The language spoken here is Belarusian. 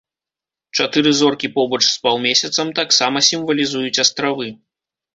Чатыры зоркі побач з паўмесяцам таксама сімвалізуюць астравы.